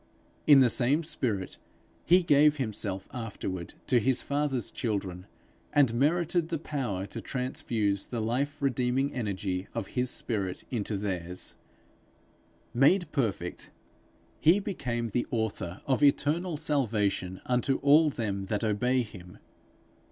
In the same spirit he gave himself afterward to his father's children, and merited the power to transfuse the life redeeming energy of his spirit into theirs: made perfect, he became the author of eternal salvation unto all them that obey him.